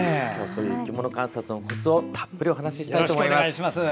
生き物観察のコツをたっぷりお話したいと思います。